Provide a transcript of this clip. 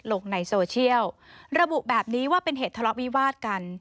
ลงในโซเชียลระบุแบบนี้ว่าเป็นเหตุทะเลาะวิวาดกัน